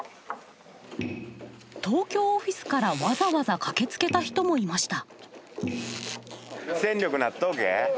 東京オフィスからわざわざ駆けつけた人もいました。